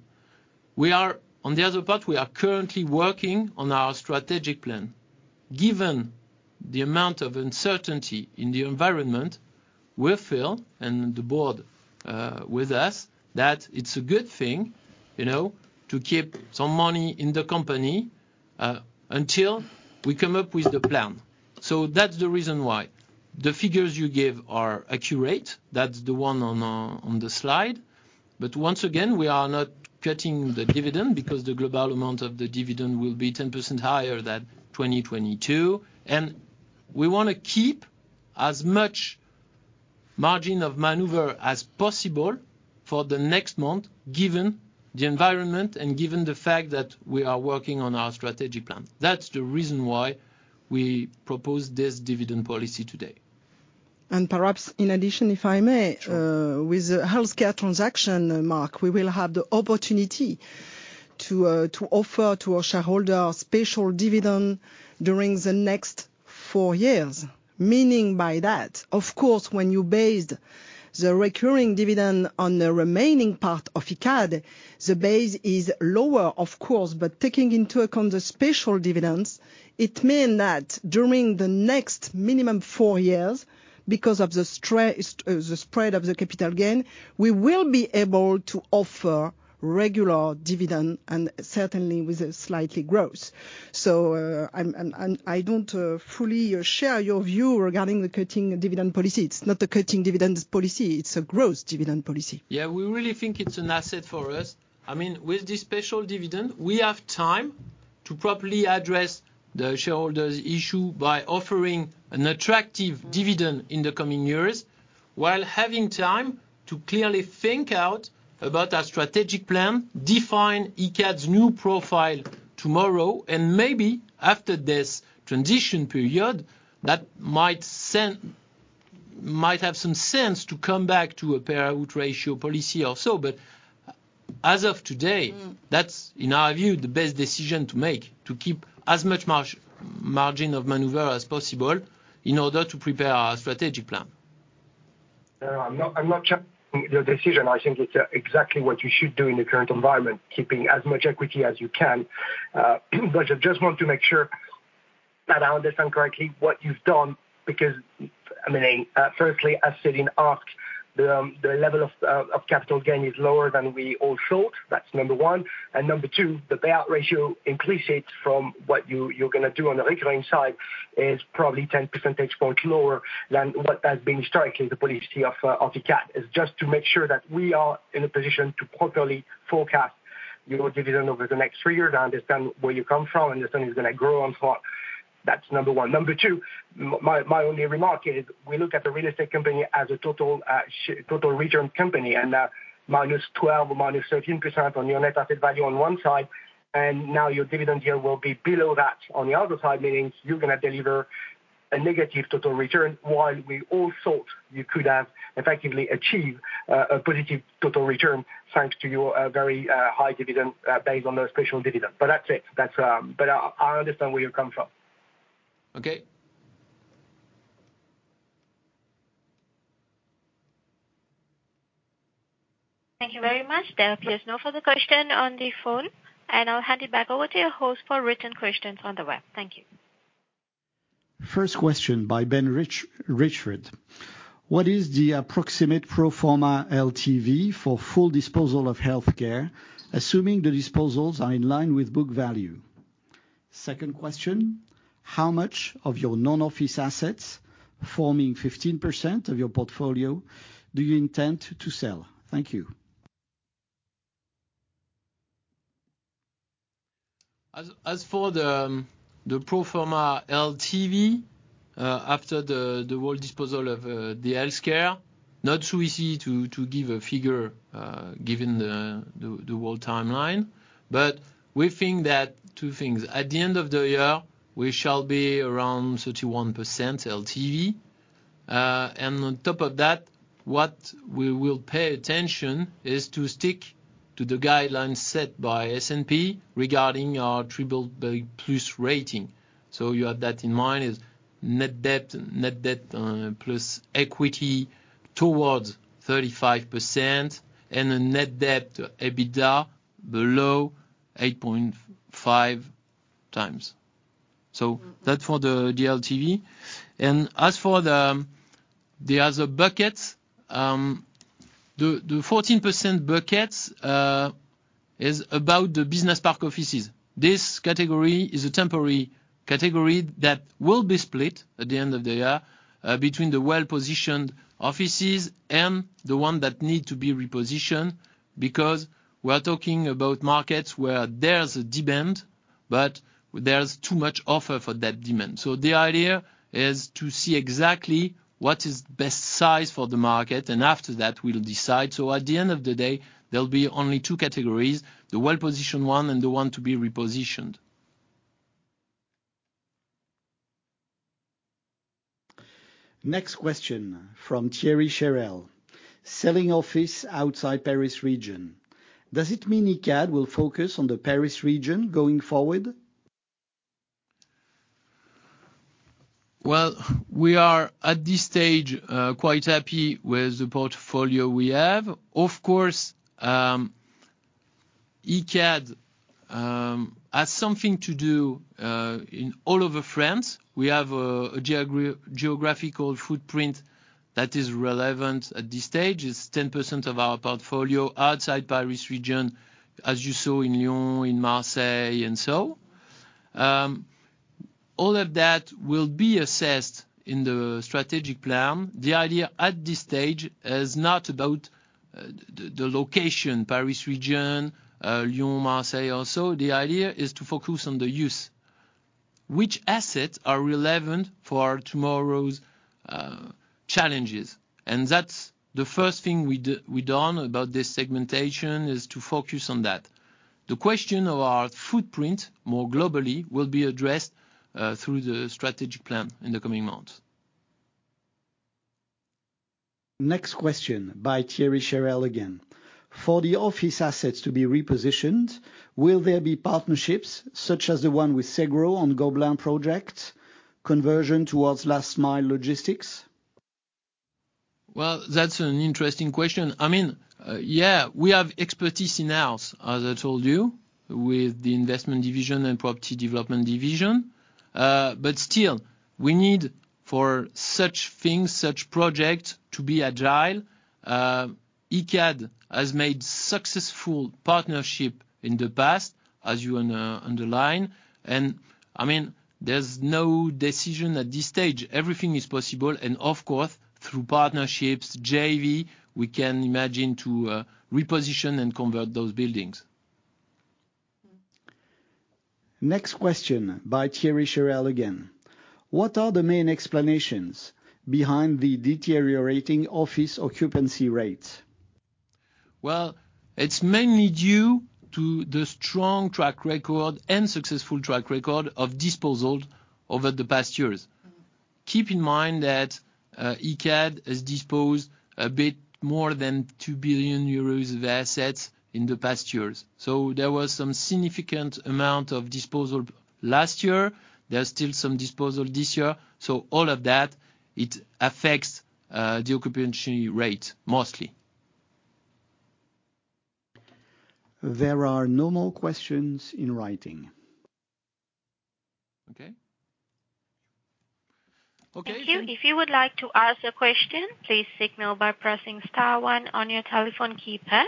We are, on the other part, we are currently working on our strategic plan. Given the amount of uncertainty in the environment, we feel, and the board, with us, that it's a good thing, you know, to keep some money in the company, until we come up with the plan. That's the reason why. The figures you give are accurate. That's the one on the slide. Once again, we are not cutting the dividend because the global amount of the dividend will be 10% higher than 2022, and we wanna keep as much margin of maneuver as possible for the next month, given the environment and given the fact that we are working on our strategic plan. That's the reason why we propose this dividend policy today. Perhaps in addition, if I may. Sure. With the healthcare transaction, Marc, we will have the opportunity to offer to our shareholders special dividend during the next four years. Meaning by that, of course, when you base the recurring dividend on the remaining part of Icade, the base is lower, of course, but taking into account the special dividends, it mean that during the next minimum four years, because of the spread of the capital gain. We will be able to offer regular dividend and certainly with a slightly growth. I'm, and I don't fully share your view regarding the cutting dividend policy. It's not a cutting dividends policy. It's a growth dividend policy. We really think it's an asset for us. I mean, with this special dividend, we have time to properly address the shareholders' issue by offering an attractive dividend in the coming years, while having time to clearly think out about our strategic plan, define Icade's new profile tomorrow, and maybe after this transition period, that might have some sense to come back to a payout ratio policy or so. As of today, that's, in our view, the best decision to make, to keep as much margin of maneuver as possible in order to prepare our strategic plan. No, I'm not challenging your decision. I think it's exactly what you should do in the current environment, keeping as much equity as you can. I just want to make sure that I understand correctly what you've done, because, firstly, as sitting in Ark, the level of capital gain is lower than we all thought. That's number one. Number two, the payout ratio implicates from what you're gonna do on the recurring side is probably 10% points lower than what has been historically the policy of Icade. It's just to make sure that we are in a position to properly forecast your dividend over the next three years. I understand where you come from, understand it's gonna grow on top. That's number one. Number two, my only remark is, we look at the real estate company as a total return company. -12%, -13% on your net asset value on one side. Now your dividend yield will be below that on the other side, meaning you're gonna deliver-... a negative total return, while we all thought you could have effectively achieved, a positive total return, thanks to your, very, high dividend, based on the special dividend. That's it, that's, but I understand where you're coming from. Okay. Thank you very much. There appears no further question on the phone. I'll hand it back over to your host for written questions on the web. Thank you. First question by Ben Richford. What is the approximate pro forma LTV for full disposal of healthcare, assuming the disposals are in line with book value? Second question: How much of your non-office assets forming 15% of your portfolio do you intend to sell? Thank you. As for the pro forma LTV, after the whole disposal of the healthcare, not so easy to give a figure, given the whole timeline. We think that two things: at the end of the year, we shall be around 31% LTV. And on top of that, what we will pay attention is to stick to the guidelines set by S&P regarding our BBB+ rating. You have that in mind, is net debt plus equity towards 35%, and a net debt EBITDA below 8.5x. That's for the LTV. As for the other buckets, the 14% buckets is about the business park offices. This category is a temporary category that will be split at the end of the year, between the well-positioned offices and the one that need to be repositioned. We're talking about markets where there's a demand, but there's too much offer for that demand. The idea is to see exactly what is best size for the market, and after that, we'll decide. At the end of the day, there'll be only two categories: the well-positioned one and the one to be repositioned. Next question from Thierry Cherel. Selling office outside Paris region, does it mean Icade will focus on the Paris region going forward? Well, we are, at this stage, quite happy with the portfolio we have. Of course, Icade has something to do in all over France. We have a geographical footprint that is relevant at this stage. It's 10% of our portfolio outside Paris Region, as you saw in Lyon, in Marseille, and so. All of that will be assessed in the strategic plan. The idea at this stage is not about the location, Paris Region, Lyon, Marseille, or so. The idea is to focus on the use. Which assets are relevant for tomorrow's challenges? That's the first thing we've done about this segmentation, is to focus on that. The question of our footprint, more globally, will be addressed through the strategic plan in the coming months. Next question, by Thierry Cherel again. For the office assets to be repositioned, will there be partnerships, such as the one with SEGRO on Gobelins project conversion towards last mile logistics? Well, that's an interesting question. I mean, yeah, we have expertise in-house, as I told you, with the investment division and property development division. Still, we need for such things, such project to be agile. Icade has made successful partnership in the past, as you underline, I mean, there's no decision at this stage. Everything is possible, of course, through partnerships, JV, we can imagine to reposition and convert those buildings. Next question, by Thierry Sherrell again. What are the main explanations behind the deteriorating office occupancy rates? Well, it's mainly due to the strong track record and successful track record of disposals over the past years. Keep in mind that Icade has disposed a bit more than 2 billion euros of assets in the past years. There was some significant amount of disposal last year. There are still some disposal this year. All of that, it affects the occupancy rate, mostly. There are no more questions in writing. Okay. Okay, then- Thank you. If you would like to ask a question, please signal by pressing star 1 on your telephone keypad.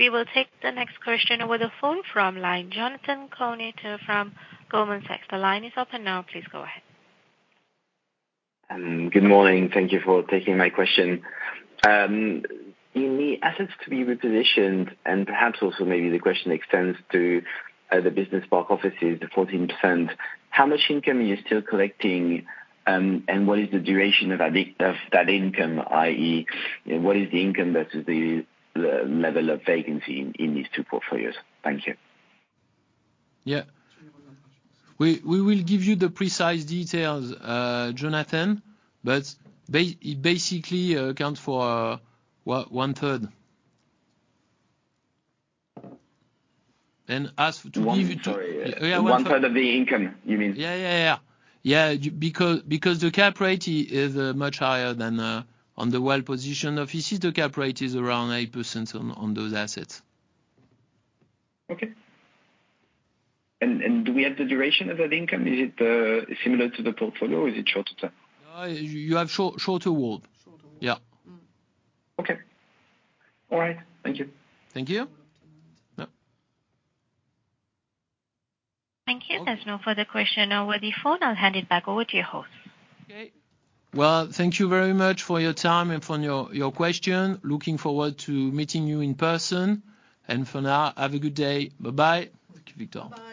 We will take the next question over the phone from line Jonathan Kownator from Goldman Sachs. The line is open now. Please go ahead. Good morning. Thank you for taking my question. In the assets to be repositioned, and perhaps also maybe the question extends to the business park offices, the 14%. How much income are you still collecting, and what is the duration of that income, i.e., what is the income versus the level of vacancy in these two portfolios? Thank you. Yeah. We will give you the precise details, Jonathan, it basically account for, what? 1/3. As to give you- 1/3 of the income, you mean? Yeah, yeah. Yeah, because the cap rate is much higher than on the well-positioned offices. The cap rate is around 8% on those assets. Okay. Do we have the duration of that income? Is it similar to the portfolio, or is it shorter term? You have short, shorter WAULT. Yeah. Okay. All right. Thank you. Thank you. Yep. Thank you. There's no further question over the phone. I'll hand it back over to your host. Okay. Well, thank you very much for your time and for your question. Looking forward to meeting you in person. For now, have a good day. Bye-bye. Thank you, Victor. Bye-bye.